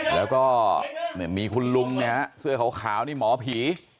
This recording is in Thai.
แล้วก็มีคุณลุงเนี่ยฮะเสื้อขาวนี่หมอผี